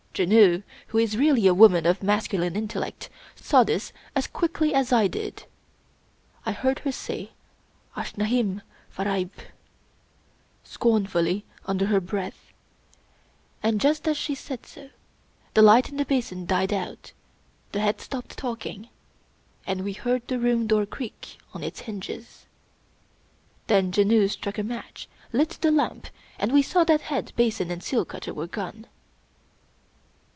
Janoo, who is really a woman of masculine intel lect, saw this as quickly as I did. I heard her say " Ash nahini Fareib!'* scornfully under her breath; and just as she said so, the light in the basin died out, the head stopped talking, and we heard the room door creak on its hinges. Then Janoo struck a match, lit the lamp, and we saw that head, basin, and seal cutter were gone.